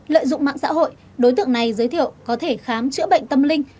lợi dụng mạng xã hội đối tượng này giới thiệu có thể khám chữa bệnh tâm linh